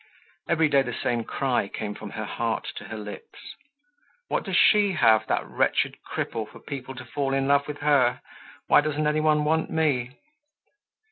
Every day the same cry came from her heart to her lips. "What does she have, that wretched cripple, for people to fall in love with her? Why doesn't any one want me?"